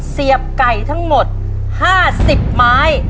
เสียบไก่ทั้งหมด๕๐ไม้